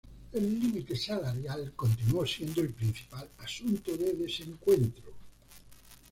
El límite salarial continuó siendo el principal asunto de desencuentro.